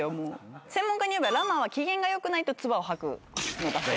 専門家によればラマは機嫌がよくないと唾を吐くのだそうで。